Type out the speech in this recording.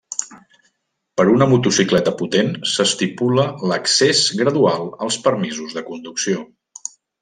Per una motocicleta potent s'estipula l'accés gradual als permisos de conducció.